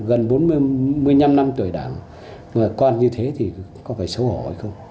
gần bốn mươi năm năm tuổi đảng và con như thế thì có phải xấu hổ hay không